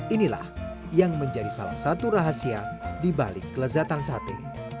inilah yang menjadi salah satu rahasia dibalik kelezatan sate